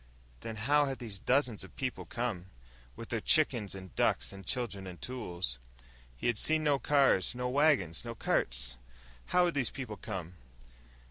Then how had these dozens of people come, with their chickens and ducks and children and tools? He had seen no cars, no wagons, no carts. _How had these people come?